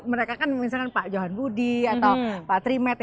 kalau mereka kan misalkan pak johan budi atau pak tri mert